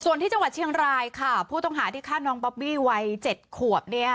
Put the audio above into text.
ส่วนที่จังหวัดเชียงรายค่ะผู้ต้องหาที่ฆ่าน้องบอบบี้วัย๗ขวบเนี่ย